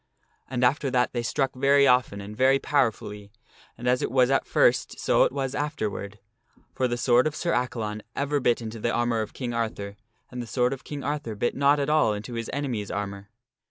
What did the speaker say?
And after that they struck very often and very powerfully, and as it was at first so it was afterward, for the sword of Sir Accalon ever bit into the armor of King Arthur, and the sword of King Arthur bit not at all into his enemy's armor.